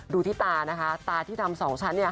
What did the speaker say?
ดูที่ตานะคะตาที่ดำสองชั้นเนี่ย